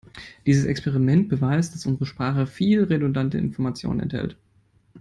Dieses Experiment beweist, dass unsere Sprache viel redundante Information enthält.